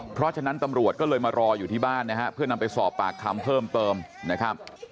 เพราะฉะนั้นตำรวจก็เลยมารออยู่ที่บ้านนะฮะเพื่อนำไปสอบปากคำเพิ่มเติมนะครับ